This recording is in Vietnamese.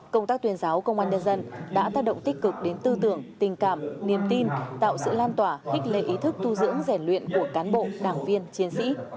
công tác tuyên giáo công an nhân dân đã tác động tích cực đến tư tưởng tình cảm niềm tin tạo sự lan tỏa khích lệ ý thức tu dưỡng rèn luyện của cán bộ đảng viên chiến sĩ